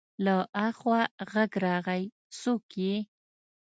له اخوا غږ راغی: څوک يې؟